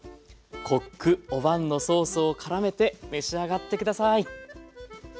コック・オ・ヴァンのソースを絡めて召し上がって下さい！